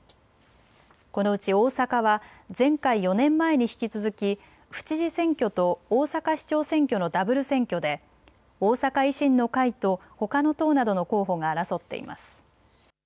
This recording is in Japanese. このうち大阪は前回４年前に引き続き府知事選挙と大阪市長選挙のダブル選挙で大阪維新の会とほかの党などの候補が争っています。